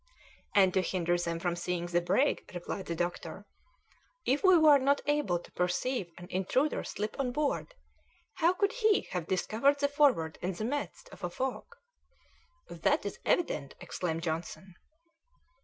"And to hinder them from seeing the brig," replied the doctor; "if we were not able to perceive an intruder slip on board, how could he have discovered the Forward in the midst of a fog?" "That is evident," exclaimed Johnson.